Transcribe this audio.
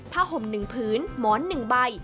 ผ้าห่ม๑พื้นหมอน๑ใบ